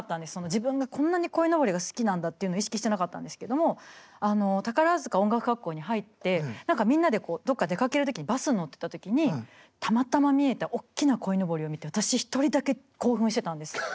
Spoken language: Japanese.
自分がこんなにこいのぼりが好きなんだっていうのを意識してなかったんですけども宝塚音楽学校に入って何かみんなでどっか出かける時にバスに乗ってた時にたまたま見えたおっきなこいのぼりを見て私一人だけ興奮してたんです。